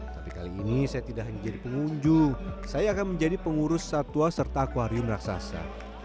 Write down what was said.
tapi kali ini saya tidak hanya jadi pengunjung saya akan menjadi pengurus satwa serta akwarium raksasa